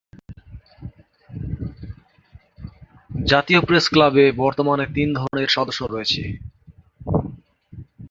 জাতীয় প্রেস ক্লাবে বর্তমানে তিন ধরনের সদস্য রয়েছে।